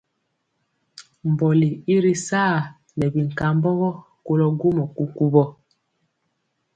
Mbɔli i ri saa nɛ binkambɔgɔ kolɔ gwomɔ kukuwɔ.